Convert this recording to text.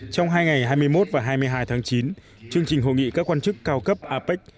trong hai ngày hai mươi một và hai mươi hai tháng chín chương trình hội nghị các quan chức cao cấp apec